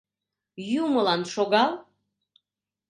Юмылан шогал...